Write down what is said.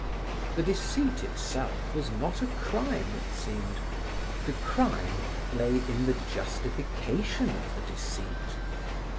The deceit itself was not a crime, it seemed. The crime lay in the justification of the deceit.